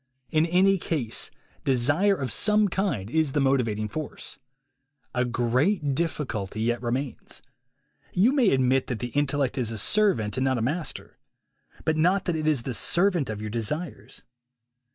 In any case, desire of some kind is the motivating force. A great difficulty yet remains. You may admit that the intellect is a servant and not a master. But not that it is the servant of your desires.